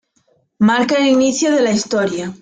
Marca el inicio de la historia.